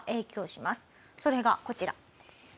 それがこちら。